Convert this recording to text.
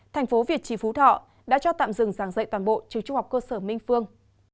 thành phố việt trì phú thọ đã cho tạm dừng giảng dạy toàn bộ trường trung học cơ sở minh phương